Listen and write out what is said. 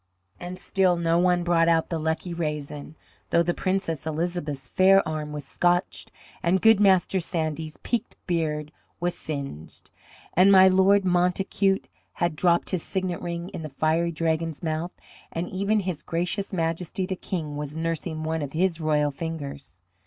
And still no one brought out the lucky raisin, though the Princess Elizabeth's fair arm was scotched and good Master Sandy's peaked beard was singed, and my Lord Montacute had dropped his signet ring in the fiery dragon's mouth, and even His Gracious Majesty the King was nursing one of his royal fingers.